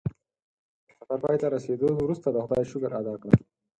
د سفر پای ته رسېدو وروسته د خدای شکر ادا کړه.